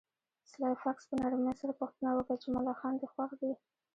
سلای فاکس په نرمۍ سره پوښتنه وکړه چې ملخان دې خوښ دي